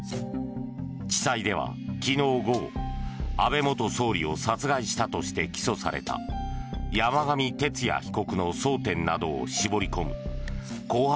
地裁では昨日午後安倍元総理を殺害したとして起訴された山上徹也被告の争点などを絞り込む公判